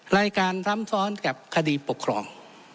รายการซ้ำซ้อนกับคดีปกครอง